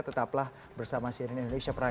tetaplah bersama saya rian indonesia pranjo